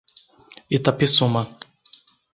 Itapissuma